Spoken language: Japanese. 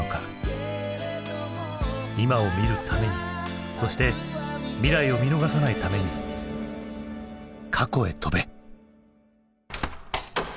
今を見るためにそして未来を見逃さないために過去へ飛べ。